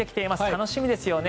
楽しみですよね。